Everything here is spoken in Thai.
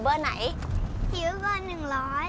ไปสิอยู่ไหน